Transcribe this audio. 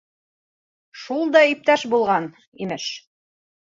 Шул да иптәш булған, имеш.